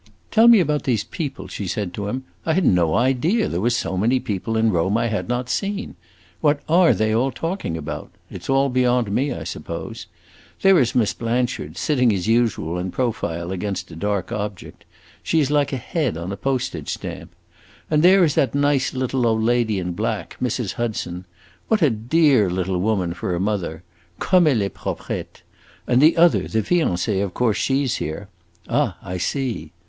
"Tell me about these people," she said to him. "I had no idea there were so many people in Rome I had not seen. What are they all talking about? It 's all beyond me, I suppose. There is Miss Blanchard, sitting as usual in profile against a dark object. She is like a head on a postage stamp. And there is that nice little old lady in black, Mrs. Hudson. What a dear little woman for a mother! Comme elle est proprette! And the other, the fiancee, of course she 's here. Ah, I see!"